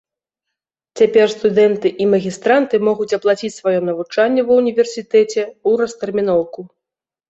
Цяпер студэнты і магістранты могуць аплаціць сваё навучанне ва ўніверсітэце ў растэрміноўку.